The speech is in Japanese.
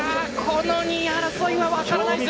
この２位争いは分からないですよ